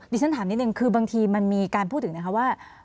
ฉันถามนิดนึงคือบางทีมันมีการพูดถึงนะคะว่า